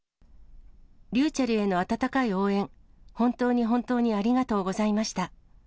りゅうちぇるへの温かい応援、本当に、本当にありがとうございました。